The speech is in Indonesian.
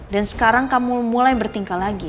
dan sekarang kamu mulai bertingkah lagi ya